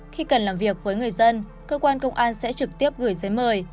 khi cần làm việc với người dân cơ quan công an sẽ trực tiếp gửi giấy mời